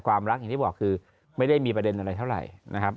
ความรักอย่างที่บอกคือไม่ได้มีประเด็นอะไรเท่าไหร่นะครับ